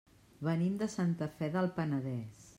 Venim de Santa Fe del Penedès.